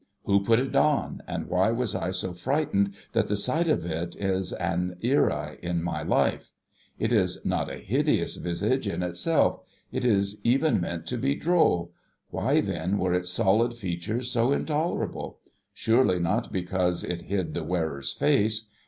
Who put it on, and why was I so frightened that the sight of it is an era in my lifb ? It is not a hideous visage in itself; it is even meant to be droll; why then were its stolid features so intolerable ? Surely not because it hid the wearer's face.